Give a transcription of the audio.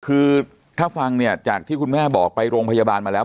คือถ้าฟังเนี่ยจากที่คุณแม่บอกไปโรงพยาบาลมาแล้ว